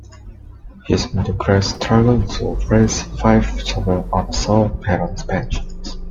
His mother Grace struggled to raise five children on a sole-parent pension.